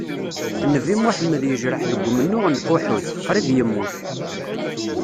Nnbi Muḥemmed yejreḥ deg umennuɣ n Uḥud, qrib yemmut.